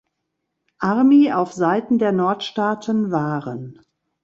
Army auf Seiten der Nordstaaten waren.